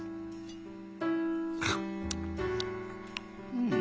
うん。